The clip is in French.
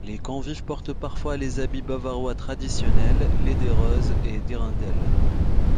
Les convives portent parfois les habits bavarois traditionnels lederhose et dirndl.